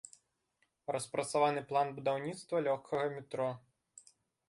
Распрацаваны план будаўніцтва лёгкага метро.